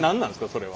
それは。